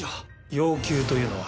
要求というのは？